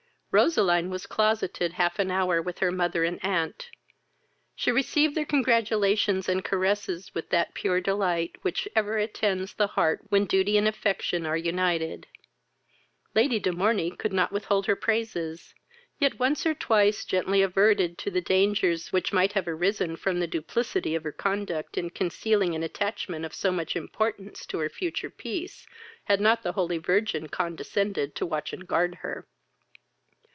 Roseline was closeted half an hour with her mother and aunt; she received their congratulations and caresses with that pure delight which ever attends the heart when duty and affection are united. Lady de Morney could not withhold her praises; yet once or twice gently adverted to the dangers which might have arisen from the duplicity of her conduct in concealing an attachment of so much importance to her future peace, had not the holy virgin condescended to watch and guard her.